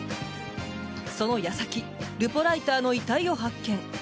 その矢先ルポライターの遺体を発見。